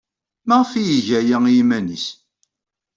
Maɣef ay iga aya i yiman-nnes?